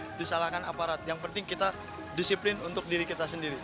itu disalahkan aparat yang penting kita disiplin untuk diri kita sendiri